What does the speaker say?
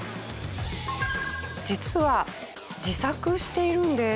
実は自作しているんです。